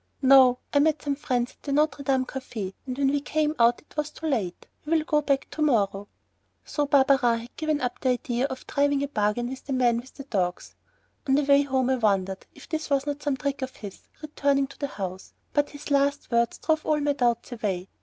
"No, I met some friends at the Notre Dame café and when we came out it was too late. So we'll go back to morrow." So Barberin had given up the idea of driving a bargain with the man with the dogs. On the way home I wondered if this was not some trick of his, returning to the house, but his last words drove all my doubts away.